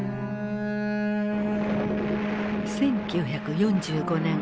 １９４５年。